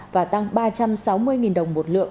và tăng ba trăm sáu mươi đồng một lượng